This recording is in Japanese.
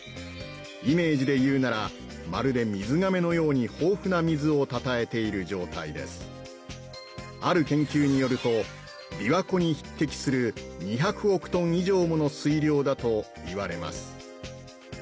イメージで言うならまるで水がめのように豊富な水をたたえている状態ですある研究によると琵琶湖に匹敵する２００億トン以上もの水量だといわれます